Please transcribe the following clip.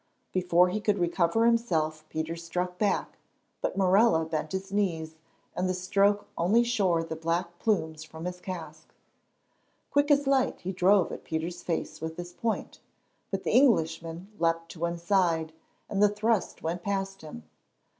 Before he could recover himself Peter struck back; but Morella bent his knees, and the stroke only shore the black plumes from his casque. Quick as light he drove at Peter's face with his point; but the Englishman leapt to one side, and the thrust went past him.